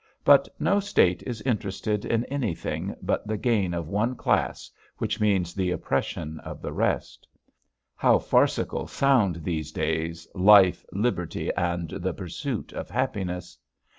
But no state is interested in anything but the gain of one class, which means the oppression of the rest. How farcical sound these days "Life, Liberty, and the pursuit of Happiness."